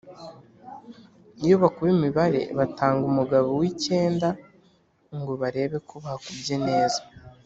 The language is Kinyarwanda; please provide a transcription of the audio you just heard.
iyo bakuba imibare batanga umugabo w’ikenda ngo barebe ko bakubye neza